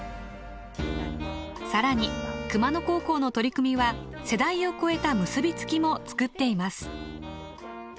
更に熊野高校の取り組みは世代を超えた結び付きも作っています。